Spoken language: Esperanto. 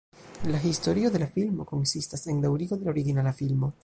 La historio de la filmo konsistas en daŭrigo de la originala filmo.